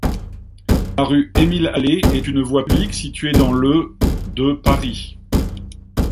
La rue Émile-Allez est une voie publique située dans le de Paris.